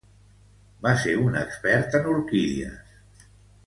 Va ser un expert en orquídies.